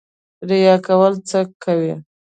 ریا کول څه کوي؟